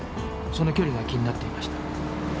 その距離が気になっていました